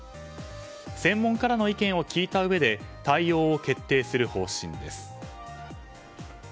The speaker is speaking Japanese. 専門家らの意見を聞いたうえで対応を決定する方針です。